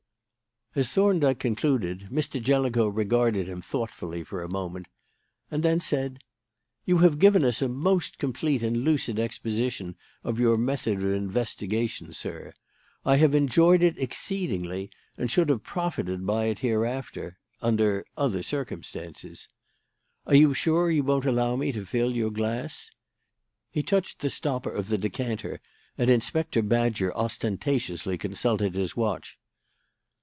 As Thorndyke concluded, Mr. Jellicoe regarded him thoughtfully for a moment, and then said: "You have given us a most complete and lucid exposition of your method of investigation, sir. I have enjoyed it exceedingly, and should have profited by it hereafter under other circumstances. Are you sure you won't allow me to fill your glass?" He touched the stopper of the decanter, and Inspector Badger ostentatiously consulted his watch.